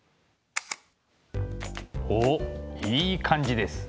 おっいい感じです。